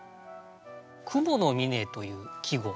「雲の峰」という季語。